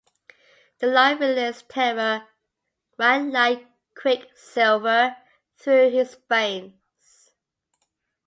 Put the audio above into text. The liveliest terror ran like quicksilver through his veins.